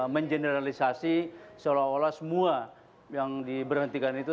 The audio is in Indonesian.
mengeneralisasi seolah olah semua yang diberhentikan itu